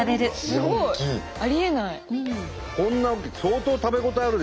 すごい。ありえない。